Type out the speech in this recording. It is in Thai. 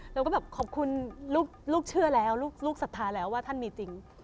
เราก็แบบขอบคุณลูกเชื่อแล้วลูกศรัทธาแล้วว่าท่านมีจริง